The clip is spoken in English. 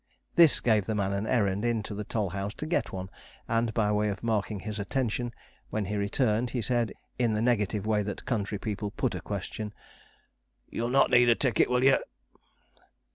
This gave the man an errand into the toll house to get one, and, by way of marking his attention, when he returned he said, in the negative way that country people put a question: 'You'll not need a ticket, will you?'